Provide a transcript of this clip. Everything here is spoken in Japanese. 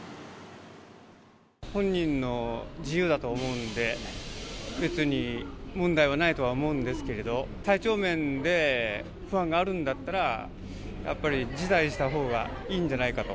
本人の自由だと思うんで、別に問題はないとは思うんですけれど、体調面で不安があるんだったら、やっぱり辞退したほうがいいのではないかと。